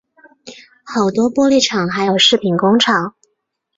好多玻璃还有饰品工厂